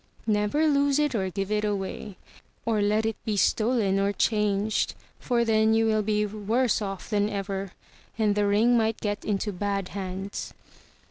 Never lose it or give it away, or let it be stolen or changed. For then you will be worse off than ever, and the ring might get into bad hands."